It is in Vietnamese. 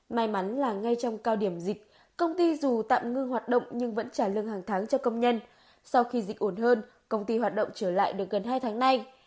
may mắn là ngay trong cao điểm dịch công ty dù tạm ngưng hoạt động nhưng vẫn trả lương hàng tháng cho công nhân sau khi dịch ổn hơn công ty hoạt động trở lại được gần hai tháng nay